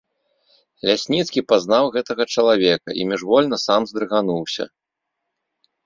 Лясніцкі пазнаў гэтага чалавека і міжвольна сам здрыгануўся.